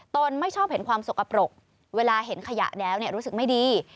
ไม่ชอบเห็นความสกปรกเวลาเห็นขยะแล้วรู้สึกไม่ดี